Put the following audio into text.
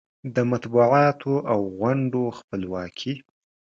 د مطبوعاتو او غونډو خپلواکي